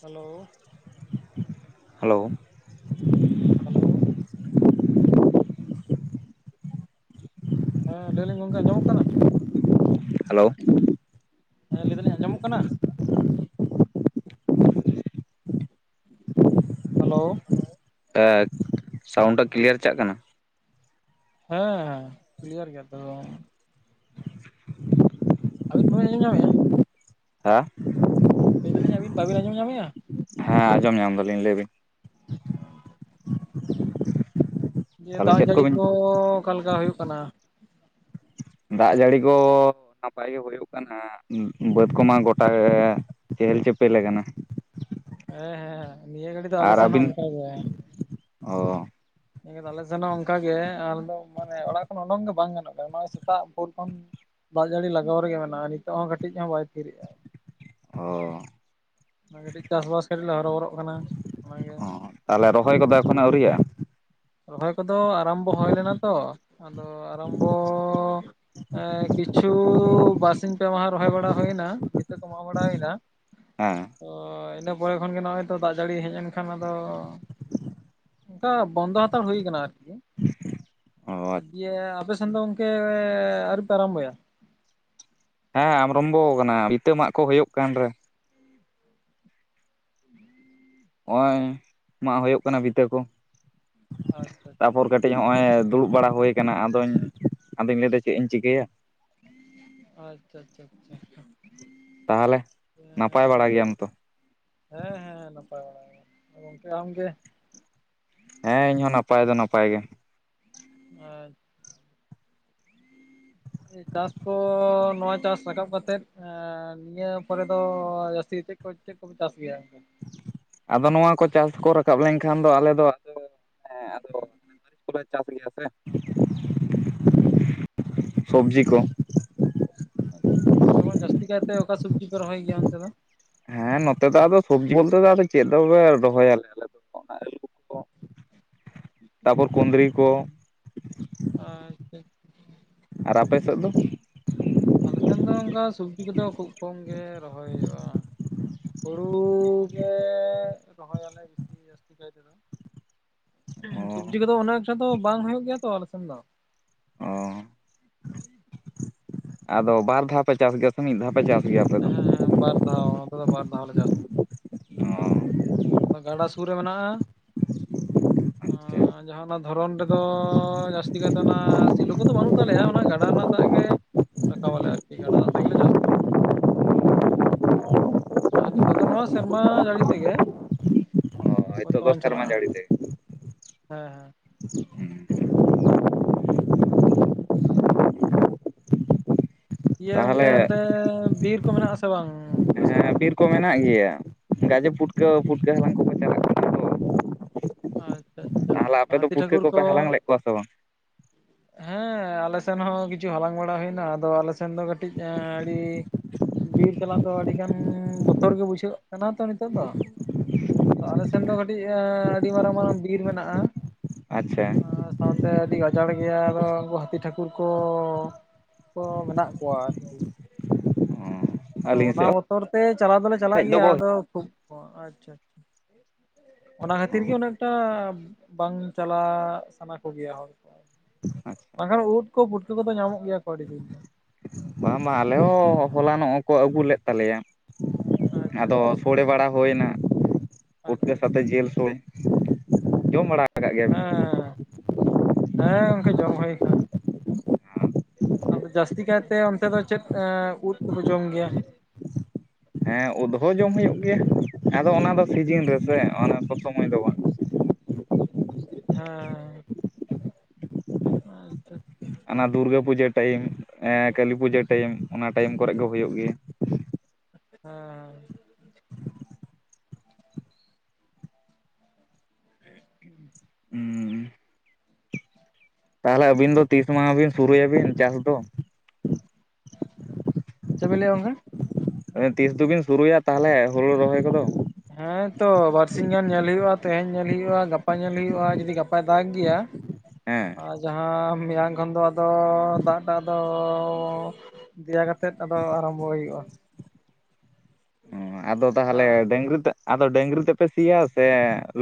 Hello! Hello! Hello! ᱦᱮᱸ, ᱞᱟᱹᱭᱟᱹᱞᱤᱧ ᱜᱚᱝᱠᱮ ᱟᱸᱧᱡᱚᱢᱚᱜ ᱠᱟᱱᱟ? ᱦᱮᱞᱳ! ᱦᱮᱸ, ᱞᱟᱹᱭ ᱫᱟᱞᱤᱧ ᱟᱸᱧᱡᱚᱢᱚᱜ ᱠᱟᱱᱟ? ᱦᱟᱞᱳ! ᱦᱮᱸ, ᱥᱟᱣᱩᱱᱰᱟᱜ ᱠᱤᱞᱤᱭᱟᱨ ᱪᱟᱜ ᱠᱟᱱᱟ? ᱦᱮᱸ, ᱦᱮᱸ, ᱠᱤᱞᱤᱭᱟᱨ ᱜᱮᱭᱟ ᱛᱚ ᱾ ᱟᱹᱵᱤᱱ ᱵᱟᱹᱤᱧ ᱟᱸᱡᱚᱢ ᱧᱟᱢᱮᱜᱼᱟ? ᱦᱟᱸ! ᱞᱟᱹᱭ ᱫᱟᱞᱤᱧ ᱟᱵᱤᱱ ᱵᱟᱹᱵᱤᱱ ᱟᱸᱡᱚᱢ ᱧᱟᱢᱮᱜᱼᱟ? ᱦᱮᱸ, ᱟᱸᱡᱚᱢ ᱧᱟᱢ ᱫᱟᱞᱤᱧ ᱞᱟᱹᱭ ᱵᱤᱱ ᱾ ᱫᱤᱭᱮ ᱛᱟᱦᱚᱞᱮ ᱫᱟᱜ ᱪᱮᱫ ᱡᱟᱹᱲᱤ ᱠᱚᱵᱤᱱ ᱠᱚ ᱚᱠᱟᱞᱮᱠᱟ ᱦᱩᱭᱩᱜ ᱠᱟᱱᱟ? ᱫᱟᱜ ᱡᱟᱹᱲᱤ ᱠᱚ ᱱᱟᱯᱟᱭ ᱜᱮ ᱦᱩᱭᱩᱜ ᱠᱟᱱᱟ ᱾ ᱱᱟᱜ ᱩᱸ ᱵᱟᱹᱫᱽ ᱠᱚᱢᱟ ᱜᱚᱴᱟᱻ ᱪᱮᱦᱮᱞ ᱪᱮᱯᱮᱞ ᱟᱠᱟᱱᱟ ᱾ ᱮᱸ ᱦᱮᱸ, ᱱᱤᱭᱟᱹ ᱜᱷᱟᱹᱲᱤ ᱫᱚ ᱟᱞᱮ ᱥᱮᱱ ᱦᱚᱸ ᱚᱝᱠᱟ ᱜᱮ ᱾ ᱚᱸ ᱾ ᱱᱤᱭᱟᱹ ᱫᱚ ᱟᱞᱮ ᱥᱮᱱ ᱦᱚᱸ ᱚᱝᱠᱟᱜᱮ, ᱟᱞᱮ ᱫᱚ ᱢᱟᱱᱮ ᱚᱲᱟᱜ ᱠᱷᱚᱱ ᱩᱰᱚᱝ ᱜᱮ ᱵᱟᱝ ᱜᱟᱱᱚᱜ ᱠᱟᱱᱟ ᱱᱚᱜᱚᱭ ᱥᱮᱛᱟᱜ ᱵᱷᱳᱭ ᱠᱷᱚᱱ ᱫᱟᱜ ᱡᱟᱹᱲᱤ ᱞᱟᱜᱟᱣ ᱨᱮᱜᱮ ᱢᱮᱱᱟᱜᱼᱟ, ᱱᱤᱛᱚᱜ ᱦᱚᱸ ᱠᱟᱹᱴᱤᱡ ᱦᱚᱸ ᱵᱟᱭ ᱛᱷᱤᱨ ᱮᱜᱼᱟᱭ ᱾ ᱚᱸᱻ ᱚᱱᱟ ᱠᱟᱹᱴᱤᱡ ᱪᱟᱥᱵᱟᱥ ᱠᱟᱹᱴᱤᱡ ᱞᱮ ᱦᱚᱨᱚᱵᱚᱨᱚᱜ ᱠᱟᱱᱟ ᱚᱱᱟᱜᱮ ᱾ ᱛᱟᱦᱞᱮ ᱨᱚᱦᱚᱭ ᱠᱚᱫᱚ ᱮᱠᱷᱚᱱᱚ ᱟᱹᱣᱨᱤᱭᱟᱜᱼᱟ? ᱨᱚᱦᱚᱭ ᱠᱚᱫᱚ ᱟᱨᱟᱢᱵᱚ ᱦᱚᱭ ᱞᱮᱱᱟ ᱛᱚ, ᱟᱫᱚ ᱟᱨᱟᱢᱵᱚᱻ ᱮ ᱠᱤᱪᱷᱩᱻ ᱵᱟᱨᱥᱤᱧ ᱯᱮ ᱢᱟᱦᱟ ᱨᱚᱦᱚᱭ ᱵᱟᱲᱟ ᱦᱩᱭᱱᱟ ᱾ ᱱᱤᱛᱚᱜ ᱫᱚ ᱢᱟᱜ ᱵᱟᱲᱟ ᱦᱩᱭᱱᱟ, ᱦᱮᱸ ᱛᱚ ᱤᱱᱟᱹ ᱯᱚᱨᱮ ᱠᱷᱚᱱ ᱜᱮ ᱱᱚᱜᱼᱚᱭ ᱛᱚ ᱫᱟᱜ ᱡᱟᱹᱲᱤ ᱦᱮᱡ ᱮᱱ ᱠᱷᱟᱱ ᱟᱫᱚ ᱚᱱᱠᱟ ᱛᱷᱟᱲ ᱦᱩᱭ ᱠᱟᱱᱟ ᱟᱨᱠᱤ, ᱚ ᱫᱤᱭᱮ ᱟᱯᱮ ᱥᱮᱱ ᱫᱚ ᱜᱚᱝ ᱠᱮᱻ ᱟᱹᱣᱨᱤ ᱯᱮ ᱟᱨᱚᱢ ᱵᱚᱭᱟ? ᱦᱮᱸ ᱟᱢᱨᱚᱢᱵᱚ ᱟᱠᱟᱱᱟ ᱵᱷᱤᱛᱟᱹ ᱢᱟᱜ ᱠᱚ ᱦᱩᱭᱩᱜ ᱠᱟᱱ ᱨᱮ ᱦᱚᱜᱼᱚᱭ ᱢᱟᱜ ᱦᱩᱭᱩᱜ ᱠᱟᱱᱟ ᱵᱤᱛᱟᱹ ᱠᱚ᱾ ᱟᱪᱪᱷᱟ ᱟᱪᱪᱷᱟ ᱛᱟᱯᱚᱨ ᱠᱟᱹᱴᱤᱡ ᱦᱚᱸᱜᱼᱚᱭ ᱫᱩᱲᱩᱵ ᱵᱟᱲᱟ ᱦᱩᱭ ᱠᱟᱱᱟ ᱟᱫᱚᱧ ᱟᱫᱚᱧ ᱞᱟᱹᱭᱫᱟ ᱪᱮᱫ ᱤᱧ ᱪᱤᱠᱟᱹᱭᱟ ᱟᱪᱪᱷᱟ ᱟᱪᱪᱷᱟ ᱟᱪᱪᱷᱟ᱾ ᱛᱟᱦᱚᱞᱮ ᱱᱟᱯᱟᱭ ᱵᱟᱲᱟ ᱜᱮᱭᱟᱢ ᱛᱚ? ᱦᱮᱸ ᱦᱮᱸ ᱱᱟᱯᱟᱭ ᱵᱟᱲᱟ ᱜᱮ, ᱜᱚᱝᱠᱮ ᱟᱢ ᱜᱮ? ᱦᱮᱸ ᱤᱧᱦᱚᱸ ᱱᱟᱯᱟᱭ ᱫᱚ ᱱᱟᱯᱟᱭ ᱜᱮ᱾ ᱟᱪ [inaudible] ᱪᱟᱥ ᱠᱚ ᱱᱚᱣᱟ ᱪᱟᱥ ᱨᱟᱠᱟᱵ ᱠᱟᱛᱮᱫ ᱱᱤᱭᱟᱹ ᱯᱚᱨᱮ ᱫᱚ ᱡᱟᱹᱥᱛᱤ ᱪᱮᱫ ᱠᱚ ᱪᱮᱫ ᱠᱚᱯᱮ ᱪᱟᱥ ᱜᱮᱭᱟ? ᱟᱫᱚ ᱱᱚᱣᱟ ᱠᱚ ᱪᱟᱥ ᱠᱚ ᱨᱟᱠᱟᱵ ᱞᱮᱱᱠᱷᱟᱱ ᱫᱚ ᱟᱞᱮ ᱫᱚ ᱮᱻ [unintelligible] ᱪᱟᱥ ᱜᱮᱭᱟ ᱥᱮ᱾ ᱥᱚᱵᱡᱤ ᱠᱚ᱾ ᱟᱪᱪᱷᱟ ᱡᱚᱛᱚᱠᱷᱚᱱ ᱡᱟᱹᱥᱛᱤ ᱠᱟᱭᱛᱮ ᱚᱠᱟ ᱥᱚᱵᱡᱤ ᱯᱮ ᱨᱚᱦᱚᱭ ᱜᱮᱭᱟ ᱚᱱᱛᱮ ᱫᱚ? ᱦᱮᱸ ᱱᱚᱛᱮ ᱫᱚ ᱟᱫᱚ ᱥᱚᱵᱡᱤ ᱵᱚᱞᱛᱮ ᱫᱚ ᱟ ᱪᱮᱫ ᱫᱚ ᱨᱚᱦᱚᱭᱟᱞᱮ ᱟᱞᱮ ᱟᱹᱞᱩ ᱠᱚ ᱛᱟᱯᱚᱨ ᱠᱩᱸᱫᱽᱨᱤ ᱠᱚ᱾ ᱟᱪᱪᱷᱟ᱾ ᱟᱨ ᱟᱯᱮ ᱥᱮᱫ ᱫᱚ ᱟᱞᱮ ᱥᱮᱱ ᱫᱚ ᱚᱱᱠᱟ ᱥᱚᱵᱡᱤ ᱠᱚᱫᱚ ᱠᱷᱩᱵ ᱠᱚᱢ ᱜᱮ ᱨᱚᱦᱚᱭ ᱦᱩᱭᱩᱜᱼᱟ᱾ ᱦᱩᱲᱩ ᱜᱮ ᱨᱚᱦᱚᱭᱟᱞᱮ ᱡᱟᱹᱥᱛᱤ ᱠᱟᱭ ᱛᱮᱫᱚ᱾ ᱚ ᱥᱚᱵᱡᱤ ᱠᱚᱫᱚ ᱩᱚᱱᱚᱜ ᱟᱡᱷᱟ ᱫᱚ ᱵᱟᱝ ᱦᱩᱭᱩᱜ ᱜᱮᱭᱟ ᱛᱚ ᱟᱞᱮ ᱥᱮᱱ ᱫᱚ᱾ ᱚ ᱟᱫᱚ ᱵᱟᱨ ᱫᱷᱟᱣ ᱯᱮ ᱪᱟᱥ ᱜᱮᱭᱟ ᱥᱮ ᱢᱤᱫ ᱫᱷᱟᱣ ᱯᱮ ᱪᱟᱥ? ᱜᱮᱭᱟ ᱟᱯᱮ ᱫᱚ ᱚ ᱦᱮᱸ ᱦᱮᱸ ᱵᱟᱨ ᱫᱷᱟᱣ ᱱᱚᱛᱮ ᱫᱚ ᱵᱫᱷᱟᱣ ᱞᱮ ᱪᱟᱥ᱾ ᱜᱟᱰᱟ ᱥᱩᱨ ᱨᱮ ᱢᱮᱱᱟᱜᱼᱟ᱾ ᱟᱪᱪᱷᱟ ᱡᱟᱦᱟᱸ ᱚᱱᱟ ᱫᱷᱚᱨᱚᱱ ᱨᱮᱫᱚ ᱡᱟᱹᱥᱛᱤ ᱠᱟᱭᱛᱮ ᱚᱱᱟ ᱥᱤᱞᱚ ᱠᱚᱫᱚ ᱵᱟᱹᱱᱩᱜ ᱛᱟᱞᱮᱭᱟ ᱚᱱᱟ ᱜᱟᱰᱟ ᱨᱮᱱᱟᱜ ᱫᱟᱜ ᱜᱮ ᱨᱟᱠᱟᱵ ᱟᱞᱮ ᱟᱨᱠᱤ ᱜᱟᱰᱟ ᱫᱟᱜ ᱛᱮᱜᱮᱞᱮ ᱪᱟᱥᱼᱟ᱾ ᱟᱨ ᱱᱤᱛᱚᱜ ᱫᱚ ᱱᱚᱣᱟ ᱥᱮᱨᱢᱟ ᱡᱟᱹᱲᱤ ᱛᱮᱜᱮ ᱚ ᱱᱤᱛᱚᱜ ᱫᱚ ᱵᱚᱨᱛᱚᱢᱟᱱ ᱥᱮᱨᱢᱟ ᱪᱟᱞᱟᱜᱼᱟ᱾ ᱡᱟᱹᱲᱤ ᱛᱮᱜᱮ ᱦᱮᱸ ᱦᱮᱸ᱾ ᱤᱭᱟᱹ ᱜᱚᱝᱠᱮ ᱛᱟᱦᱚᱞᱮ ᱚᱱᱛᱮ ᱵᱤᱨ ᱠᱚ ᱢᱮᱱᱟᱜᱼᱟ ᱥᱮ ᱵᱟᱝ ᱟᱯᱮᱥᱮᱱ ᱦᱮᱸ ᱫᱚ? ᱵᱤᱨ ᱠᱚ ᱢᱮᱱᱟᱜ ᱜᱮᱭᱟ ᱜᱟᱡᱮ ᱯᱷᱩᱴᱠᱟᱹ ᱯᱷᱩᱴᱠᱟᱹ ᱦᱟᱞᱟᱝ ᱠᱚᱠᱚ ᱪᱟᱞᱟᱜ ᱠᱟᱱᱟ ᱛᱚ ᱟᱪᱪᱷᱟ᱾ ᱟᱪᱪᱷᱟ ᱛᱟᱦᱚᱞᱮ ᱟᱯᱮ ᱫᱚ ᱦᱟᱹᱛᱤ ᱯᱩᱴᱠᱟᱹ ᱴᱷᱟᱹᱠᱩᱨ ᱠᱚᱯᱮ ᱠᱚ ᱦᱟᱞᱟᱝ ᱞᱮᱫ ᱠᱚᱣᱟ ᱥᱮ ᱵᱟᱝ? ᱦᱮᱸ ᱟᱞᱮ ᱥᱮᱱ ᱦᱚᱸ ᱠᱤᱪᱷᱩ ᱦᱟᱞᱟᱝ ᱵᱟᱲᱟ ᱦᱩᱭᱱᱟ ᱟᱫᱚ ᱟᱞᱮ ᱥᱮᱱ ᱫᱚ ᱠᱟᱹᱴᱤᱡ ᱟᱹᱲᱤ ᱵᱤᱨ ᱪᱟᱞᱟᱜ ᱫᱚ ᱟᱹᱰᱤ ᱜᱟᱱ ᱵᱚᱛᱚᱨ ᱜᱮ ᱵᱩᱡᱷᱟᱹᱜ ᱠᱟᱱᱟ ᱛᱚ ᱱᱤᱛᱚᱜ ᱫᱚ᱾ ᱟᱞᱮ ᱥᱮᱱ ᱫᱚ ᱠᱟᱹᱴᱤᱡ ᱟᱹᱰᱤ ᱢᱟᱨᱟᱝ ᱢᱟᱨᱟᱝ ᱵᱤᱨ ᱢᱮᱱᱟᱜᱼᱟ᱾ ᱟᱪᱪᱷᱟ ᱥᱟᱶᱛᱮ ᱟᱹᱰᱤ ᱜᱟᱡᱟᱲ ᱜᱮᱭᱟ ᱟᱨᱚ ᱩᱱᱠᱩ ᱦᱟᱹᱛᱤ ᱴᱷᱟᱹᱠᱩᱨ ᱠᱚ ᱠᱚ ᱢᱮᱱᱟᱜ ᱠᱚᱣᱟ ᱟᱨᱠᱤ᱾ ᱟᱫᱚ ᱟᱹᱞᱤᱧ ᱥᱮᱫ ᱚᱱᱟ ᱦᱚᱸ ᱵᱚᱛᱚᱨ ᱛᱮ ᱪᱟᱞᱟᱣ ᱫᱚᱞᱮ ᱪᱟᱞᱟᱜ ᱦᱮᱡ ᱜᱮᱭᱟ ᱫᱚᱠᱚ ᱟᱫᱚ ᱠᱷᱩᱵ [unintelligible] ᱚᱱᱟ ᱠᱷᱟᱹᱛᱤᱨ ᱜᱮ ᱩᱱᱟᱹᱜᱴᱟ ᱵᱟᱝ ᱪᱟᱞᱟᱜ ᱥᱟᱱᱟ ᱠᱚᱜᱮᱭᱟ ᱦᱚᱲ᱾ ᱟᱪᱪᱷᱟ ᱵᱟᱝᱠᱷᱟᱱ ᱩᱫ ᱠᱚ ᱯᱩᱴᱠᱟᱹ ᱠᱚᱫᱚ ᱧᱟᱢᱚᱜ ᱜᱮᱭᱟ ᱠᱚ ᱟᱹᱰᱤ ᱫᱤᱱ ᱜᱮ᱾ ᱵᱟᱝ ᱵᱟᱝ ᱟᱞᱮ ᱦᱚᱸ ᱦᱚᱞᱟᱱᱚᱜ ᱠᱚ ᱟᱹᱜᱩ ᱞᱮᱫ ᱛᱟᱞᱮᱭᱟ᱾ ᱟᱪᱪᱷᱟ ᱟᱫᱚ ᱟᱪᱪᱷᱟ ᱥᱳᱲᱮ ᱵᱟᱲᱟ ᱦᱳᱭᱱᱟ ᱾ ᱯᱷᱩᱴᱠᱟᱹ ᱟᱪᱪᱷᱟ ᱟᱪᱪᱷᱟ ᱥᱟᱣᱛᱮ ᱡᱮᱞ ᱥᱳ ᱡᱚᱢ ᱵᱟᱲᱟ ᱟᱠᱟᱫ ᱜᱮᱭᱟᱵᱤᱱ ᱦᱮᱸ, ᱦᱮᱸ ᱜᱚᱢᱠᱮ ᱡᱚᱢ ᱦᱳᱭ ᱠᱟᱱᱟ ᱾ ᱟᱫᱚ ᱡᱟᱹᱥᱛᱤ ᱠᱟᱭᱛᱮ ᱚᱱᱛᱮ ᱫᱚ ᱪᱮᱫ ᱮ ᱩᱫ ᱛᱮᱯᱮ ᱡᱚᱢ ᱜᱮᱭᱟ? ᱦᱮᱸ ᱩᱫ ᱦᱚᱸ ᱡᱚᱢ ᱦᱩᱭᱩᱜ ᱜᱮᱭᱟ, ᱟᱫᱚ ᱚᱱᱟ ᱫᱚ ᱥᱤᱡᱮᱱ ᱨᱮᱥᱮ ᱚᱱᱟ ᱥᱚᱵᱽ ᱥᱚᱢᱚᱭ ᱫᱚ ᱵᱟᱝ ᱾ ᱦᱮᱸ ᱾ [inaudible] ᱚᱱᱟ ᱜᱮᱛᱚ ᱾ ᱚᱱᱟ ᱫᱩᱨᱜᱟᱹ ᱯᱩᱡᱟᱹ ᱴᱟᱭᱤᱢ, ᱮᱸ ᱠᱟᱹᱞᱤ ᱯᱩᱡᱟᱹ ᱴᱟᱭᱤᱢ, ᱚᱱᱟ ᱴᱟᱭᱤᱢ ᱠᱚᱨᱮᱜ ᱜᱮ ᱦᱩᱭᱩᱜ ᱜᱮᱭᱟ ᱾ ᱦᱮᱸᱻ [inaudible] ᱦᱩᱸ ᱾ ᱛᱟᱦᱚᱞᱮ ᱟᱹᱵᱤᱱ ᱫᱚ ᱛᱤᱥ ᱢᱟᱦᱟ ᱵᱤᱱ ᱥᱩᱨᱩᱭᱟᱵᱤᱱ ᱪᱟᱥ ᱫᱚ? ᱪᱮᱜ ᱵᱮᱱ ᱞᱟᱹᱭᱮᱜᱼᱟ ᱜᱚᱢᱠᱮ? ᱛᱤᱥ ᱫᱚᱵᱤᱱ ᱥᱩᱨᱩᱭᱟ ᱛᱟᱦᱞᱮ ᱦᱩᱲᱩ ᱨᱚᱦᱚᱭ ᱠᱚᱫᱚ? ᱦᱮᱸᱛᱚ ᱵᱟᱨ ᱥᱤᱧ ᱜᱟᱱ ᱧᱮᱞ ᱦᱩᱭᱩᱜᱼᱟ, ᱛᱮᱦᱮᱧ ᱧᱮᱞ ᱦᱩᱭᱩᱜᱼᱟ, ᱜᱟᱯᱟ ᱧᱮᱞ ᱦᱩᱭᱩᱜᱼᱟ, ᱡᱩᱫᱤ ᱜᱟᱯᱟ ᱫᱟᱜ ᱜᱮᱭᱟᱭᱼᱺ ᱦᱮᱸ᱾ ᱟᱨ ᱡᱟᱦᱟᱸ ᱢᱮᱭᱟᱝ ᱠᱷᱚᱱ ᱫᱚ ᱟᱫᱚ ᱫᱟᱜ ᱫᱚ ᱟᱫᱚᱻ ᱫᱮᱭᱟ ᱠᱟᱛᱮᱜ ᱟᱫᱚ ᱟᱨᱟᱢᱵᱚ ᱦᱩᱭᱩᱜᱼᱟ ᱾ ᱚ ᱟᱫᱚ ᱛᱟᱦᱚᱞᱮ ᱰᱟᱝᱨᱤ ᱛᱮ, ᱟᱫᱚ ᱰᱟᱝᱨᱤ ᱛᱮᱯᱮ ᱥᱤᱭᱟ ᱥᱮ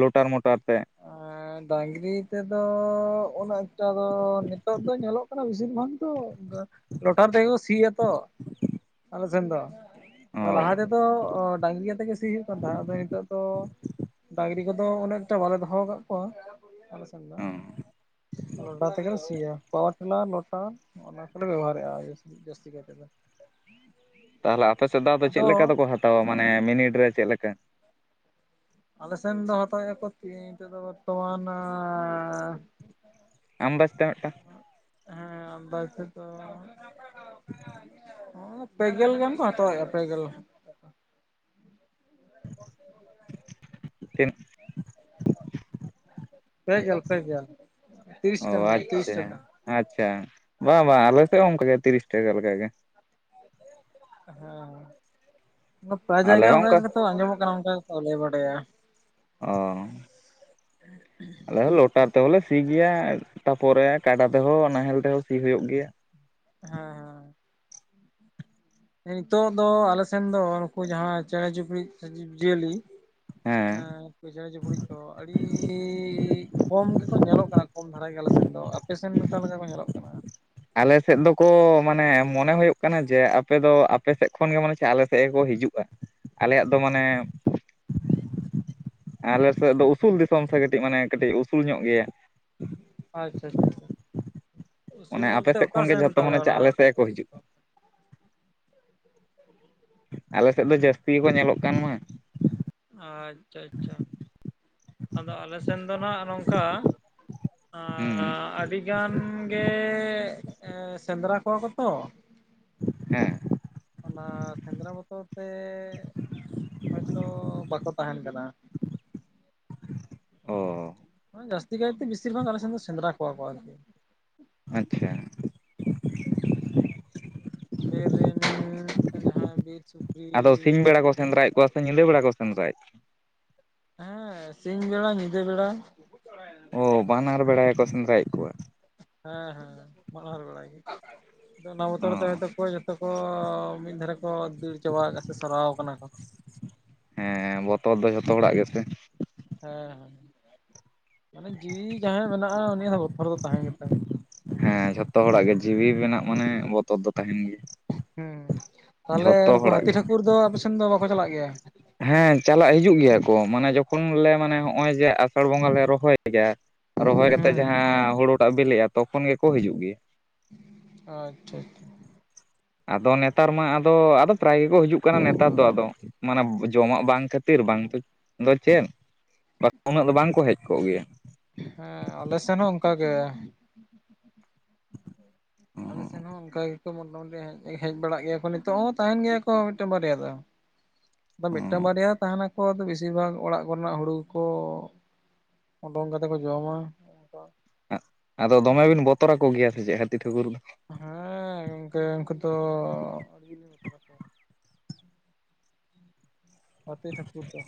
ᱞᱚᱴᱟᱨ ᱢᱚᱴᱟᱨ ᱛᱮ? ᱟᱨ ᱰᱟᱝᱨᱤ ᱛᱮᱫᱚ ᱩᱱᱟᱹᱜ ᱮᱠᱴᱟ ᱫᱚ, ᱱᱤᱛᱚᱜ ᱫᱚ ᱧᱮᱞᱚᱜ ᱠᱟᱱᱟ ᱵᱤᱥᱤᱨ ᱵᱷᱟᱜᱽ ᱜᱮᱼᱼ ᱞᱚᱴᱟᱨ ᱛᱮᱜᱮ ᱠᱚ ᱥᱤᱭᱟ ᱛᱚ, ᱟᱞᱮ ᱥᱮᱱ ᱫᱚ ᱾ ᱞᱟᱦᱟ ᱚ ᱛᱮᱫᱚ ᱰᱟᱝᱨᱤ ᱟᱛᱮᱜᱮ ᱥᱤ ᱦᱩᱭᱩᱜ ᱠᱟᱱ ᱛᱟᱦᱮᱸᱫ ᱟᱫᱚ ᱱᱤᱛᱚᱜ ᱫᱚ, ᱰᱟᱝᱨᱤᱼᱼ ᱱᱤᱛᱚᱜ ᱫᱚ ᱚᱱᱮᱠᱴᱟ ᱵᱟᱞᱮ ᱫᱚᱦᱚ ᱠᱟᱫ ᱠᱚᱣᱟ ᱟᱞᱮ ᱥᱮᱱ ᱫᱚ ᱚ ᱾ ᱞᱚᱴᱟᱨ ᱛᱮᱞᱮ ᱥᱤᱭᱟ, ᱯᱟᱣᱟᱨ ᱴᱤᱞᱟᱨ, ᱞᱚᱴᱟᱨ ᱾ ᱦᱚᱜᱼᱱᱟ ᱠᱚᱞᱮ ᱵᱮᱵᱚᱦᱟᱨᱮᱜᱼᱟ ᱡᱟᱹᱛᱤ ᱠᱟᱭᱛᱮ ᱫᱚ ᱾ ᱛᱟᱦᱚᱞᱮ ᱟᱯᱮ ᱥᱮᱫ ᱫᱚ ᱪᱮᱫ ᱟᱫᱚ ᱞᱮᱠᱟ ᱫᱚᱠᱚ ᱦᱟᱛᱟᱣᱟ, ᱢᱟᱱᱮ ᱢᱤᱱᱤᱴ ᱨᱮ ᱪᱮᱫ ᱞᱮᱠᱟ? ᱟᱞᱮ ᱥᱮᱱ ᱫᱚ ᱦᱟᱛᱟᱣ ᱟᱠᱚ ᱛᱤ ᱱᱤᱛᱚᱜ ᱫᱚ ᱵᱚᱨᱛᱚᱢᱟᱱᱚᱻ ᱟᱱᱫᱟᱡᱽ ᱛᱮ ᱢᱤᱫᱴᱟᱹᱝᱼᱼ ᱮᱸ ᱟᱱᱫᱟᱡᱽ ᱛᱮᱫᱚᱼᱼ ᱮ ᱯᱮᱜᱮᱞ ᱜᱟᱱ ᱠᱚ ᱦᱟᱛᱟᱣᱮᱜᱼᱟ ᱯᱮᱜᱮᱞ ᱾ ᱛᱤᱱ [unintelligible] ᱯᱮ ᱜᱮᱞ, ᱯᱮ ᱜᱮᱞ ᱛᱤᱨᱤᱥ ᱚ ᱴᱟᱠᱟ ᱛᱤᱨᱤᱥ ᱴᱟᱠᱟ ᱟᱪᱪᱷᱟ ᱾ ᱟᱪᱪᱷᱟ, ᱵᱟᱝ ᱵᱟᱝ ᱟᱞᱮ ᱥᱮᱫ ᱦᱚᱸ ᱚᱱᱠᱟ ᱜᱮ ᱛᱤᱨᱤᱥ ᱴᱟᱠᱟ ᱞᱮᱠᱟ ᱜᱮ ᱾ ᱦᱮᱸ, ᱯᱮ ᱟᱞᱮ ᱡᱟᱭᱜᱟ ᱦᱚᱸ ᱚᱱᱠᱟ ᱜᱮᱛᱚ ᱟᱸᱡᱚᱢᱚᱜ ᱠᱟᱱᱟ ᱚᱱᱠᱟ ᱜᱮ ᱾ ᱟᱞᱮ ᱵᱟᱰᱟᱭᱟᱼᱼ ᱚ ᱟᱞᱮ ᱞᱚᱴᱟᱨ ᱛᱮᱦᱚᱸ ᱞᱮ ᱥᱤ ᱜᱮᱭᱟ, ᱛᱟᱯᱚᱨᱮ ᱠᱟᱰᱟ ᱛᱮᱦᱚᱸ ᱱᱟᱦᱮᱞ ᱛᱮᱦᱚᱸ ᱥᱤ ᱦᱩᱭᱩᱜ ᱜᱮᱭᱟ ᱾ ᱦᱮᱸ ᱦᱮᱸ ᱾ [inaudible] ᱱᱤᱛᱚᱜ ᱫᱚ ᱟᱞᱮ ᱥᱮᱱ ᱫᱚ ᱱᱩᱠᱩ ᱡᱟᱦᱟᱸ ᱪᱮᱬᱮ ᱪᱤᱯᱲᱤᱫ ᱥᱮ ᱡᱤᱵᱽᱼᱡᱤᱭᱟᱹᱞᱤᱼᱼ ᱦᱮᱸ ᱦᱮᱸ ᱾ ᱪᱮᱬᱮ ᱪᱩᱯᱲᱩᱪ ᱫᱚ ᱟᱹᱰᱤᱻ ᱠᱚᱢ ᱜᱮᱠᱚ ᱧᱮᱞᱚᱜ ᱠᱟᱱᱟ ᱠᱚᱢ ᱫᱷᱟᱨᱟ ᱜᱮ ᱟᱞᱮ ᱥᱮᱱ ᱫᱚ ᱾ ᱯᱮᱥᱮᱱᱴ ᱚᱠᱟ ᱞᱮᱠᱟ ᱠᱚ ᱧᱮᱞᱚᱜ ᱠᱟᱱᱟ ᱾ ᱟᱞᱮ ᱥᱮᱫ ᱫᱚᱠᱚ ᱢᱟᱱᱮ ᱢᱚᱱᱮ ᱦᱩᱭᱩᱜ ᱠᱟᱱᱟ ᱡᱮ, ᱟᱯᱮ ᱫᱚ ᱟᱯᱮ ᱥᱮᱫ ᱠᱷᱚᱱ ᱜᱮ ᱢᱟᱱᱮ ᱪᱮᱫ ᱟᱞᱮ ᱥᱮᱫ ᱜᱮᱠᱚ ᱦᱤᱡᱩᱜᱼᱟ ᱾ ᱟᱞᱮᱭᱟᱜ ᱫᱚ ᱢᱟᱱᱮ ᱼᱼ ᱦᱮᱤᱠ [inaudible] ᱟᱞᱮ ᱥᱮᱜ ᱫᱚ ᱩᱥᱩᱞ ᱫᱤᱥᱚᱢ ᱥᱮ ᱠᱟᱹᱴᱤᱡ ᱢᱟᱱᱮ ᱠᱟᱹᱴᱤᱡ ᱩᱥᱩᱞ ᱧᱚᱜ ᱜᱮᱭᱟ ᱾ ᱟᱪᱪᱷᱟ ᱟᱪᱪᱷᱟ, ᱩᱥᱩᱞ ᱵᱚᱞᱛᱮ ᱚᱠᱟ ᱥᱮᱱ ᱛᱟᱞᱚᱦᱮ ᱚᱱᱟ ᱟᱛᱩ ᱠᱚ ᱦᱤᱡᱩᱜ ᱟᱞᱮ ᱥᱮᱫ ᱫᱚ ᱡᱟᱹᱥᱛᱤ ᱜᱮᱠᱚ ᱧᱮᱞᱚᱜ ᱠᱟᱱ ᱢᱟ ᱾ ᱟᱪᱪᱷᱟ, ᱟᱪᱪᱷᱟ, ᱟᱫᱚ ᱟᱞᱮ ᱥᱮᱱ ᱫᱚ ᱱᱟᱜ ᱱᱚᱝᱠᱟ ᱦᱩᱸ ᱟᱸᱻ ᱟᱹᱰᱤ ᱜᱟᱱᱻ ᱜᱮᱻ ᱮᱸ ᱥᱮᱸᱫᱽᱨᱟ ᱠᱚᱣᱟ ᱠᱚ ᱛᱚ, ᱦᱮᱸ ᱾ ᱚᱱᱟ ᱥᱮᱸᱫᱽᱨᱟ ᱵᱚᱛᱚᱨ ᱛᱮᱻ ᱦᱳᱭᱛᱚ ᱵᱟᱠᱚ ᱛᱟᱦᱮᱱ ᱠᱟᱱᱟ ᱾ ᱚ ᱾ ᱡᱟᱹᱥᱛᱤ ᱠᱟᱭᱛᱮ ᱵᱤᱥᱤᱨ ᱵᱷᱟᱜᱽ ᱟᱞᱮ ᱥᱮᱱ ᱫᱚ ᱥᱮᱸᱫᱽᱨᱟ ᱠᱚᱣᱟ ᱠᱚ ᱟᱨᱠᱤ ᱾ ᱟᱪᱪᱷᱟ ᱾ [inaudible] ᱵᱤᱨ ᱨᱮᱱ ᱡᱟᱦᱟᱸ ᱵᱤᱨ ᱥᱩᱠᱨᱤ ᱥᱮᱸᱫᱨᱟᱡ ᱦᱮᱸ, ᱥᱤᱧ ᱵᱮᱲᱟ ᱧᱤᱫᱟᱹ ᱵᱮᱲᱟ ᱾ ᱚ ᱵᱟᱱᱟᱨ ᱵᱮᱲᱟ ᱜᱮᱠᱚ ᱥᱮᱸᱫᱽᱨᱟᱭᱮᱜ ᱠᱚᱣᱟ ᱾ ᱦᱮᱸ, ᱦᱮᱸ, ᱢᱟᱦᱱᱟᱨ ᱵᱮᱲᱟ ᱜᱮ ᱛᱚ ᱚᱱᱟ ᱵᱚᱛᱚᱨ ᱛᱮ ᱚ ᱦᱳᱭ ᱠᱚ ᱡᱚ ᱛᱚ ᱠᱚ ᱢᱤᱫ ᱫᱷᱟᱨᱮ ᱠᱚ ᱫᱟᱹᱲ ᱪᱟᱵᱟ ᱠᱟᱜᱼᱟ ᱥᱮ ᱥᱚᱨᱟᱣ ᱠᱟᱱᱟ ᱠᱚ ᱾ ᱦᱮᱸ, ᱵᱚᱛᱚᱨ ᱫᱚ ᱡᱷᱚᱛᱚ ᱦᱚᱲᱟᱜ ᱜᱮᱥᱮ ᱾ ᱦᱮᱸ, ᱦᱮᱸ, ᱢᱟᱱᱮ ᱡᱤᱣᱤ ᱡᱟᱦᱟᱸᱭᱟᱜ ᱢᱮᱱᱟᱜᱼᱟ ᱩᱱᱤᱭᱟᱜ ᱫᱚ ᱵᱚᱛᱚᱨ ᱫᱚ ᱛᱟᱦᱮᱸ ᱜᱮᱛᱟᱭᱟ ᱾ ᱦᱮᱸ, ᱡᱷᱚᱛᱚ ᱦᱚᱲᱟᱜ ᱜᱮ ᱡᱤᱣᱤ ᱢᱮᱱᱟᱜ ᱢᱟᱱᱮ ᱵᱚᱛᱚᱨ ᱫᱚ ᱛᱟᱦᱮᱱ ᱜᱮᱭᱟ ᱾ ᱦᱮᱸ, ᱛᱟᱦᱚᱞᱮ ᱱᱩᱠᱩ ᱦᱟᱹᱛᱤ ᱜᱮ ᱴᱷᱟᱹᱠᱩᱨ ᱫᱚ ᱟᱯᱮᱥᱮᱱ ᱫᱚ ᱵᱟᱠᱚ ᱪᱟᱞᱟᱜ ᱜᱮᱭᱟ? ᱦᱮᱸ, ᱪᱟᱞᱟᱜ ᱦᱤᱡᱩᱜ ᱜᱮᱭᱟ ᱠᱚ ᱢᱟᱱᱮ ᱡᱚᱠᱷᱚᱱ ᱞᱮ ᱢᱟᱱᱮ ᱦᱚᱜᱼᱚᱭ ᱡᱮ ᱟᱥᱟᱲ ᱵᱚᱸᱜᱟ ᱞᱮ ᱨᱚᱦᱚᱭ ᱜᱮᱭᱟ, ᱨᱚᱦᱚᱭ ᱠᱟᱛᱮᱫ ᱦᱩᱸ ᱡᱟᱦᱟᱸ ᱦᱩᱲᱩᱴᱟᱜ ᱵᱮᱞᱮᱜᱼᱟ, ᱛᱚᱠᱷᱚᱱ ᱜᱮᱠᱚ ᱦᱤᱡᱩᱜ ᱜᱮᱭᱟ ᱾ ᱟᱪᱪᱷᱟ, ᱟᱪᱪᱷᱟ ᱾ ᱟᱫᱚ ᱱᱮᱛᱟᱨ ᱢᱟ ᱟᱫᱚ ᱟᱫᱚ ᱯᱨᱟᱭ ᱜᱮᱠᱚ ᱦᱤᱡᱩᱜ ᱠᱟᱱᱟ ᱱᱮᱛᱟᱨ ᱫᱚ ᱟᱫᱚ, ᱢᱟᱱᱮ ᱡᱚᱢᱟᱜ ᱵᱟᱝ ᱠᱷᱟᱹᱛᱤᱨ ᱵᱟᱝ ᱛᱚ ᱫᱚ ᱪᱮᱫ ᱵᱟ ᱩᱱᱟᱹᱜ ᱫᱚ ᱵᱟᱝ ᱠᱚ ᱦᱮᱡ ᱠᱚᱜ ᱜᱮᱭᱟ ᱾ ᱦᱮᱸ, ᱟᱞᱮ ᱥᱮᱱ ᱦᱚᱸ ᱚᱱᱠᱟᱜᱮ ᱾ ᱟᱞ ᱥᱮᱱ ᱦᱚᱸ ᱚᱱᱠᱟ ᱜᱮᱠᱚ ᱢᱚᱴᱟᱢᱩᱴᱤ ᱦᱮᱡ ᱦᱮᱸᱡ ᱵᱟᱲᱟᱜ ᱜᱮᱭᱟ ᱠᱚ ᱱᱤᱛᱚᱜ ᱦᱚᱸ ᱛᱟᱦᱮᱱ ᱜᱮᱭᱟ ᱠᱚ ᱢᱤᱫᱴᱮᱱ ᱵᱟᱨᱭᱟ ᱫᱚ ᱾ [inaudible] ᱟᱫᱚ ᱢᱤᱫᱴᱟᱝ ᱵᱟᱨᱭᱟ ᱦᱚᱸ ᱛᱟᱦᱮᱱᱟ ᱠᱚ ᱟᱫᱚ ᱵᱮᱥᱤᱨ ᱵᱷᱟᱜᱽ ᱚᱲᱟᱜ ᱠᱚᱨᱮᱱᱟᱜ ᱦᱩᱲᱩ ᱜᱮᱠᱚ ᱳᱰᱳᱝ ᱠᱟᱛᱮ ᱠᱚ ᱡᱚᱢᱟ ᱾ ᱟᱫᱚ ᱫᱚᱢᱮ ᱵᱤᱱ ᱵᱚᱛᱚᱨ ᱟᱠᱚᱜᱮᱭᱟ ᱥᱮ ᱪᱮᱜ ᱦᱟᱹᱛᱤ ᱴᱷᱟᱹᱠᱩᱨ ᱫᱚ? ᱦᱮᱸᱻ ᱜᱚᱝᱠᱮ ᱩᱝᱠᱩ ᱛᱚᱻ [inaudible] ᱦᱟᱹᱛᱤ ᱴᱷᱟᱹᱠᱩᱨ ᱫᱚ!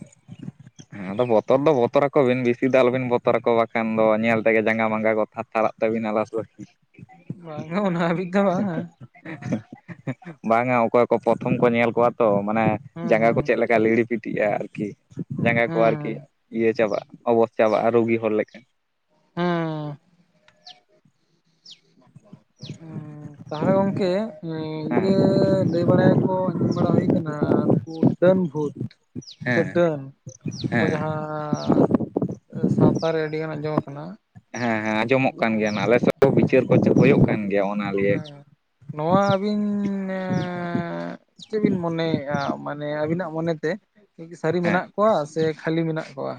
ᱦᱮᱸ, ᱟᱫᱚ ᱵᱚᱛᱚᱨ ᱫᱚ ᱵᱚᱛᱚᱨ ᱟᱠᱚ ᱵᱤᱱ ᱵᱤᱥᱤ ᱫᱚ ᱟᱞᱚ ᱵᱤᱱ ᱵᱚᱛᱚᱨ ᱟᱠᱚᱣᱟ ᱵᱟᱠᱷᱟᱱ ᱫᱚ ᱧᱮᱞ ᱛᱮᱜᱮ ᱡᱟᱸᱜᱟ ᱢᱟᱸᱜᱟ ᱠᱚ ᱛᱷᱟᱨ ᱛᱷᱟᱨᱟᱜ ᱛᱟᱹᱵᱤᱱᱟ [unintelligible] ᱵᱟᱝ-ᱟ ᱩᱱᱟᱹᱜ ᱦᱟᱹᱵᱤᱡ ᱫᱚ ᱵᱟᱝ-ᱟ ᱾ [inaudible] ᱵᱟᱝ-ᱟ ᱚᱠᱚᱭ ᱠᱚ ᱯᱨᱚᱛᱷᱚᱢ ᱠᱚ ᱧᱮᱞ ᱠᱚᱣᱟ ᱛᱚ ᱢᱟᱱᱮ ᱦᱩᱸ ᱡᱟᱸᱜᱟ ᱠᱚ ᱦᱩᱸ ᱪᱮᱫ ᱞᱮᱠᱟ ᱞᱤᱲᱤᱯᱤᱴᱤᱜᱼᱟ ᱟᱨᱠᱤ ᱾ ᱡᱟᱸᱜᱟ ᱠᱚ ᱦᱩᱸ ᱟᱨᱠᱤ ᱦᱩᱸ ᱤᱭᱟᱹ ᱪᱟᱵᱟᱜᱼᱟ ᱚᱵᱚᱥ ᱪᱟᱵᱟᱜᱼᱟ ᱨᱩᱜᱤ ᱦᱚᱲ ᱞᱮᱠᱟ ᱾ ᱦᱩᱸ ᱦᱮᱸ ᱾ ᱦᱩᱸ, ᱛᱟᱦᱚᱲᱮ ᱜᱚᱝᱠᱮ ᱤᱭᱟᱹᱻ ᱞᱟᱹᱭ ᱵᱟᱲᱟᱭᱟᱠᱚ ᱟᱸᱡᱚᱢ ᱵᱟᱲᱟ ᱦᱩᱭ ᱠᱟᱱᱟ ᱱᱩᱠᱩ ᱰᱟᱹᱱ ᱵᱷᱩᱛ ᱦᱮᱸ ᱥᱮ ᱦᱮᱸ ᱰᱟᱹᱱ ᱱᱩᱠᱩ ᱦᱮᱸ ᱡᱟᱦᱟᱸ ᱟᱸᱻ ᱥᱟᱶᱛᱟ ᱨᱮ ᱟᱹᱰᱤ ᱜᱟᱱ ᱟᱸᱡᱚᱢ ᱟᱠᱟᱱᱟ ᱦᱮᱸ ᱦᱮᱸ ᱟᱸᱡᱚᱢᱚᱜ ᱠᱟᱱ ᱜᱮᱭᱟ ᱱᱟᱞᱮ ᱥᱮᱜ ᱦᱚ ᱵᱤᱪᱟᱹᱨ ᱠᱚ ᱪᱮ ᱦᱚᱭᱚᱜ ᱠᱟᱱ ᱜᱮᱭᱟ᱾ ᱚᱱᱟ ᱞᱤᱭᱮ ᱦᱮᱸ ᱱᱚᱣᱟ ᱟᱹᱵᱤᱱ ᱮᱸᱻ ᱪᱮᱫ ᱵᱤᱱ ᱢᱚᱱᱮᱭᱮᱜ-ᱟ ᱢᱟᱱᱮ ᱟᱵᱤᱱᱟᱜ ᱢᱚᱱᱮ ᱛᱮ? ᱥᱟᱹᱨᱤ ᱦᱮᱸ ᱢᱮᱱᱟᱜ ᱠᱚᱣᱟ ᱥᱮ ᱠᱷᱟᱹᱞᱤ ᱢᱮᱱᱟᱜ ᱠᱚᱣᱟ?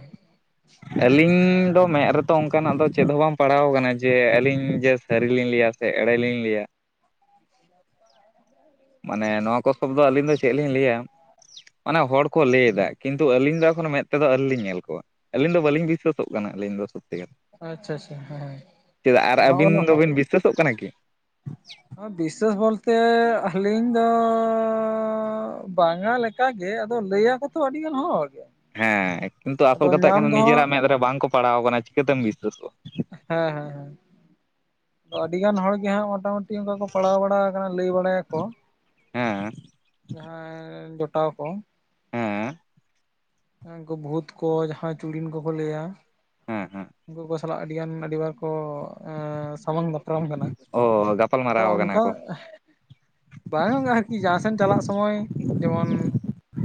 ᱟᱹᱞᱤᱧ ᱫᱚ ᱢᱮᱫ ᱨᱮᱛᱚ ᱚᱱᱠᱟᱱᱟᱜ ᱫᱚ ᱪᱮᱫ ᱦᱚᱸ ᱵᱟᱝ ᱯᱟᱲᱟᱣ ᱠᱟᱱᱟ ᱡᱮ ᱟᱹᱞᱤᱧ ᱡᱮ ᱥᱟᱹᱨᱤ ᱞᱤᱧ ᱞᱟᱹᱭᱟ ᱥᱮ ᱮᱲᱮ ᱞᱤᱧ ᱞᱟᱹᱭᱟ [inaudible] ᱢᱟᱱᱮ ᱱᱚᱣᱟ ᱠᱚ ᱥᱚᱵ ᱫᱚ ᱟᱹᱞᱤᱧ ᱫᱚ ᱪᱮᱫ ᱞᱤᱧ ᱞᱟᱹᱭᱟ ᱢᱟᱱᱮ ᱦᱚᱲ ᱠᱚ ᱞᱟᱹᱭ ᱮᱫᱟ ᱠᱤᱱᱛ ᱛᱩ ᱟᱹᱞᱤᱧ ᱫᱚ ᱮᱠᱷᱚᱱᱚ ᱢᱮᱫ ᱛᱮᱫᱚ ᱟᱹᱣᱨᱤ ᱞᱤᱧ ᱧᱮᱞ ᱠᱚᱣᱟ ᱟᱹᱞᱤᱧ ᱫᱚ ᱵᱟᱞᱤᱧ ᱵᱤᱥᱥᱟᱹᱥᱚᱜ ᱠᱟᱱᱟ ᱟᱹᱞᱤᱧ ᱫᱚ ᱥᱚᱛᱛᱤ ᱟᱪᱪᱷᱟ ᱟᱪᱪᱷᱟ ᱦᱮᱸ ᱮᱸ ᱱᱚᱜ ᱚ ᱱᱚᱣᱟ ᱦᱚᱸ ᱥᱟᱹᱛᱳᱜ ᱠᱟᱱᱟ ᱠᱤ ᱵᱤᱥᱥᱟᱹᱥ ᱵᱚᱞᱛᱮ ᱟᱹᱞᱤᱧ ᱫᱚᱸᱻ ᱵᱟᱝ-ᱟ ᱞᱮᱠ ᱠᱟ ᱜᱮ ᱟᱫᱚ ᱞᱟᱹᱭᱟ ᱠᱚᱛᱚ ᱟᱹᱰᱤ ᱜᱟᱱ ᱦᱚᱲ ᱜᱮ᱾ ᱦᱮᱸ ᱠᱤᱱᱛᱩ ᱟᱥᱚᱞ ᱟᱫᱚ ᱠᱟᱛᱷᱟ ᱧᱟᱢ ᱠᱟᱱᱟ ᱫᱚ ᱦᱟᱸᱜ ᱱᱤᱡᱮᱨᱟᱜ ᱢᱮᱫ ᱨᱮ ᱵᱟᱝᱠᱚ ᱯᱟᱲᱟᱣ ᱠᱟᱱᱟ ᱪᱤᱠᱟᱹ ᱛᱮᱢ ᱵᱤᱥᱟᱹᱥᱚᱜ-ᱟ? ᱦᱮᱸ ᱦᱮᱸ ᱦᱮᱸ ᱫᱚ ᱟᱹᱰᱤ ᱜᱟᱱ ᱦᱚᱲ ᱜᱮ ᱦᱟᱸᱜ ᱢᱚᱴᱟᱢᱩᱴᱤ ᱚᱝᱠᱟ ᱠᱚ ᱯᱟᱲᱟᱣ ᱵᱟᱲᱟᱣ ᱟᱠᱟᱱᱟ ᱞᱟᱹᱭ ᱵᱟᱲᱟᱭᱟ ᱠᱚ ᱦᱮᱸ ᱡᱟᱦᱟᱸᱭ ᱡᱚᱴᱟᱣ ᱠᱚ, ᱦᱮᱸ ᱠᱩ ᱵᱷᱩᱛ ᱠᱚ ᱡᱟᱦᱟᱸᱭ ᱪᱩᱲᱤᱱ ᱠᱚᱠᱚ ᱞᱟᱹᱭᱟ, ᱦᱮᱸ ᱦᱮᱸ ᱩᱱᱠᱩ ᱠᱚ ᱥᱟᱞᱟᱜ ᱟᱹᱰᱤ ᱜᱟᱱ ᱟᱹᱰᱤᱵᱟᱨ ᱠᱚ ᱮᱸ ᱥᱟᱢᱟᱝ ᱫᱟᱯ ᱨᱟᱢ ᱠᱟᱱᱟ ᱚ ᱜᱟᱯᱟᱞ ᱟᱫᱚ ᱢᱟᱨᱟᱣ ᱠᱟᱱᱟ ᱚᱱᱠᱟ ᱠᱚ ᱵᱟᱝ ᱟᱨᱠᱤ ᱡᱟᱦᱟᱸᱥᱮᱱ ᱪᱟᱞᱟᱜ ᱥᱚᱢᱚᱭ ᱡᱮᱢᱚᱱ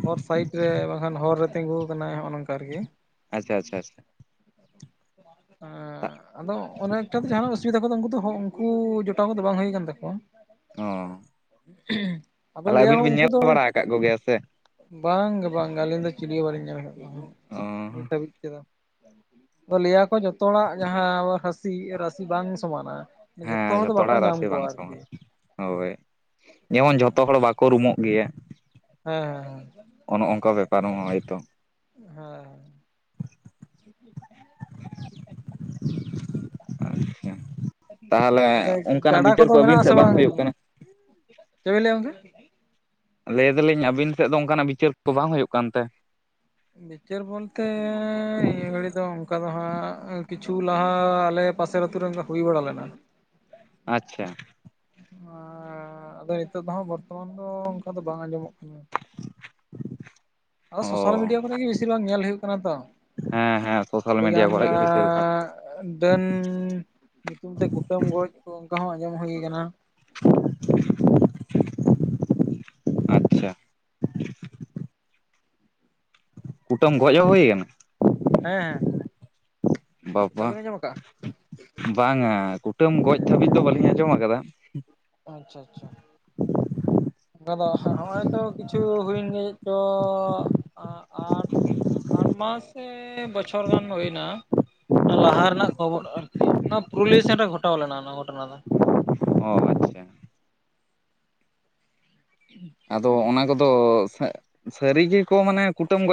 ᱦᱚᱨ ᱥᱟᱭᱤᱰ ᱨᱮ ᱵᱟᱝᱠᱷᱟᱱ ᱦᱚᱨ ᱨᱮ ᱛᱤᱸᱜᱩᱣ ᱟᱠᱟᱱᱟ ᱦᱚᱜ ᱚ ᱱᱚᱝᱠᱟ ᱟᱨᱠᱤ᱾ ᱟᱪᱪᱷᱟ ᱟᱪᱪᱷᱟ ᱟᱪᱪᱷᱟ ᱟᱫᱚ ᱚᱩᱱᱟᱹᱜ ᱮᱠᱴᱟ ᱫᱚ ᱡᱟᱦᱟᱱᱟᱜ ᱚᱥᱩᱵᱤᱫᱟ ᱠᱚ ᱩᱱᱠᱩ ᱫᱚ ᱩᱱᱠᱩ ᱡᱚᱴᱟᱣ ᱠᱚᱫᱚ ᱵᱟᱝ ᱦᱩᱭ ᱠᱟᱱ ᱛᱟᱠᱚᱣᱟ᱾ ᱚ ᱟᱫᱚ ᱛᱟᱦᱚᱞᱮ ᱞᱟᱹᱭᱟ ᱠᱚ ᱟᱹᱵᱤᱱ ᱵᱤᱱ ᱩᱝᱠᱩ ᱧᱮᱞ ᱫᱚ ᱵᱟᱲᱟ ᱟᱠᱟᱫ ᱠᱚᱜᱮᱭᱟ ᱥᱮ ᱵᱟᱝ ᱜᱮ ᱵᱟᱝ ᱜᱮ ᱟᱹᱞᱤᱧ ᱫᱚ ᱪᱤᱞᱤ ᱦᱚᱸ ᱵᱟᱞᱤᱧ ᱧᱟᱢ ᱟᱠᱟᱫ ᱠᱚᱣᱟ, ᱚ ᱱᱤᱛ ᱫᱷᱟᱹᱵᱤᱡ ᱛᱮᱫᱚ᱾ ᱞᱟᱹᱭᱟᱠᱚ ᱡᱷᱚᱛᱚ ᱦᱚᱲᱟᱜ ᱡᱟᱦᱟᱸ ᱨᱟᱹᱥᱤ ᱨᱟᱥᱤ ᱵᱟᱝ ᱥᱚᱢᱟᱱᱟ᱾ ᱡᱷᱚᱛᱚ ᱦᱮᱸ ᱦᱚᱲ ᱫᱚ ᱵᱟᱠᱚ ᱦᱚᱲᱟᱜ ᱧᱟᱢ ᱨᱟᱥᱮ ᱠᱚᱣᱟ ᱵᱟᱝ ᱟᱨᱠᱤ᱾ ᱥᱚᱢᱟᱱ ᱦᱳᱭ ᱡᱮᱢᱚᱱ ᱡᱷᱚᱛᱚ ᱦᱚᱲ ᱵᱟᱠᱚ ᱨᱩᱢᱳᱜ ᱜᱮᱭᱟ᱾ ᱦᱮᱸ ᱦᱮᱸ ᱚᱱᱮ ᱚᱝᱠᱟ ᱵᱮᱯᱟᱨ ᱦᱚᱸ ᱦᱳᱭᱛᱚ᱾ ᱦᱚᱭ ᱟᱪᱪᱷᱟ ᱛᱟᱦᱚᱞᱮ ᱛᱟᱦᱞᱮ ᱚᱱᱠᱟᱱᱟᱜ ᱜᱟᱰᱟ ᱵᱤᱪᱟᱹᱨ ᱠᱚᱫᱚ ᱠᱚ ᱢᱮᱱᱟᱜ ᱟᱹᱵᱤᱱ ᱥᱮᱫ ᱟᱥᱮ ᱵᱟᱝ? ᱦᱩᱭᱩᱜ ᱠᱟᱱᱟ ᱪᱮᱜ ᱵᱮᱱ ᱞᱟᱹᱭ ᱜᱚᱝᱠᱮ? ᱞᱟᱹᱭ ᱫᱟᱞᱤᱧ ᱟᱹᱵᱤᱱ ᱥᱮᱫ ᱫᱚ ᱚᱝᱠᱟᱱᱟᱜ ᱵᱤᱪᱟᱹᱨ ᱠᱚ ᱵᱟᱝ ᱦᱩᱭᱩᱜ ᱠᱟᱱᱛᱮ? ᱵᱤᱪᱟᱹᱨ ᱵᱚᱞᱛᱮ ᱱᱤᱭᱟᱹ ᱜᱷᱟᱹᱲᱤᱡ ᱫᱚ ᱚᱱᱠᱟ ᱫᱚ ᱦᱟᱸᱜ ᱠᱤᱪᱷᱩ ᱞᱟᱦᱟ ᱟᱞᱮ ᱯᱟᱥᱮᱨ ᱟᱹᱛᱩ ᱨᱮ ᱚᱝᱠᱟ ᱦᱩᱭ ᱵᱟᱲᱟ ᱞᱮᱱᱟ᱾ ᱟᱪᱪᱷᱟ ᱟᱸᱻ ᱟᱫᱚ ᱱᱤᱛᱳᱜ ᱫᱚ ᱦᱟᱸᱜ ᱵᱚᱨᱛᱚᱢᱟᱱ ᱫᱚ ᱚᱱᱠᱟ ᱫᱚ ᱵᱟᱝ ᱟᱸᱡᱚᱢᱚᱜ ᱠᱟᱱᱟ᱾ [inaudible] ᱟᱫᱚ ᱥᱳᱥᱟᱞ ᱚ ᱢᱤᱰᱤᱭᱟ ᱠᱚᱨᱮ ᱜᱮ ᱵᱮᱥᱤᱨ ᱵᱷᱟᱜ ᱧᱮᱞ ᱦᱩᱭᱩᱜ ᱠᱟᱱᱟ ᱛᱚ᱾ ᱦᱮᱸ ᱦᱮᱸ ᱥᱳᱥᱟᱞ ᱢᱤᱰᱤᱭᱟ ᱟᱰᱤᱜᱟᱱ ᱠᱚᱨᱮ ᱜᱮ ᱵᱮᱥᱤᱨ ᱵᱷᱟᱜᱽ ᱟᱸᱻ ᱰᱟᱹᱱ ᱧᱩᱛᱩᱢ ᱛᱮ ᱠᱩᱴᱟᱹᱢ ᱜᱚᱡ ᱠᱚ ᱚᱱᱠᱟ ᱦᱚᱸ ᱟᱸᱡᱚᱢ ᱦᱩᱭᱩ ᱠᱟᱱᱟ᱾ [inaudible] ᱟᱪᱪᱷᱟ ᱾ ᱠᱩᱴᱟᱹᱢ ᱜᱚᱡ ᱦᱚᱸ ᱦᱳᱭ ᱟᱠᱟᱱᱟ? ᱦᱮᱸ ᱦᱮᱸ ᱾ ᱵᱟᱵᱼᱵᱟ [inaudible] ᱵᱟᱝᱟ ᱠᱩᱴᱟᱹᱢ ᱜᱚᱡ ᱫᱷᱟᱹᱵᱤᱡ ᱫᱚ ᱵᱟᱹᱞᱤᱧ ᱟᱸᱡᱚᱢ ᱟᱠᱟᱫᱟ ᱾ ᱟᱪᱪᱷᱟ ᱟᱪᱪᱷᱟ ᱾ ᱟᱫᱚ ᱦᱚᱸᱜᱼᱚᱭ ᱛᱚ ᱠᱤᱪᱷᱩ ᱦᱩᱭᱮᱱ ᱜᱮᱭᱟ ᱪᱮᱜ ᱪᱚ ᱾ ᱟᱴ ᱟᱴ ᱢᱟᱥ ᱥᱮ ᱵᱚᱪᱷᱚᱨ ᱜᱟᱱ ᱫᱚ ᱦᱩᱭ ᱮᱱᱟ ᱾ ᱚᱱᱟ ᱞᱟᱦᱟ ᱨᱮᱱᱟᱜ ᱠᱷᱚᱵᱚᱨ ᱟᱨᱠᱤ, ᱚᱱᱟ ᱯᱩᱨᱩᱞᱤᱭᱟᱹ ᱥᱮᱱ ᱨᱮ ᱜᱷᱚᱴᱟᱣ ᱞᱮᱱᱟ ᱚᱱᱟ ᱜᱷᱚᱴᱚᱱᱟ ᱫᱚ ᱾ [unintelligible] [inaudible] ᱟᱫᱚ ᱚᱱᱟ ᱠᱚᱫᱚ ᱥᱟᱹ ᱥᱟᱹᱨᱤ ᱜᱮᱠᱚ ᱢᱟᱱᱮ ᱠᱩᱴᱟᱹᱢ ᱜᱚᱡ